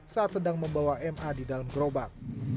saat sedang membawa ma di dalam gerobak